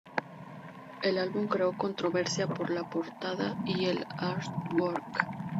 El álbum creó controversia por la portada y el "artwork".